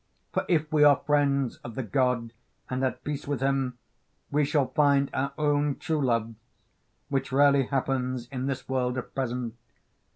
For if we are friends of the God and at peace with him we shall find our own true loves, which rarely happens in this world at present.